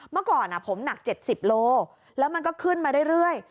เมื่อก่อนผมหนัก๗๐โลแล้วมันก็ขึ้นมาเรื่อย